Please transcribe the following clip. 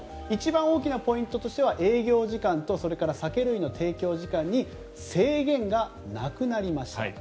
一番大きなポイントとしては営業時間とそれから酒類の提供時間に制限がなくなりました。